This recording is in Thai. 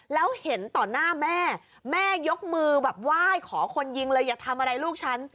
แล้วเห็นต่อหน้าแม่แม่ยกมือแบบไหว้ขอคนยิงเลยอย่าทำอะไรลูกฉัน